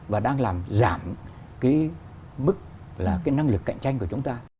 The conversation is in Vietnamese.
và đang làm giảm cái mức là cái năng lực cạnh tranh của chúng ta